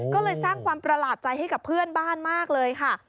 ก็เลยสร้างความประหลาดใจให้กับเพื่อนบ้านมากเลยค่ะ